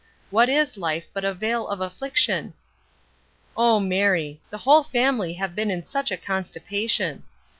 What is life but a veil of affliction? O Mary! the whole family have been in such a constipation!